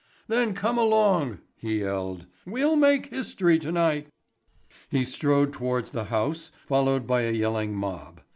"Then come along," he yelled. "We'll make history to night." He strode towards the House followed by a yelling mob.